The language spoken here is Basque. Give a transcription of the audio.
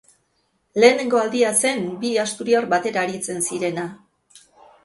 Lehenengo aldia zen bi asturiar batera aritzen zirena.